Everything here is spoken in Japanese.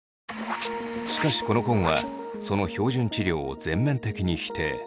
しかしこの本はその標準治療を全面的に否定。